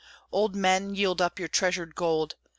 Old men, yield up your treasured gold!